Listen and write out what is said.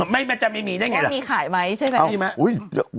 มันจะไม่มีได้ไงล่ะมีขายไหมใช่ไหม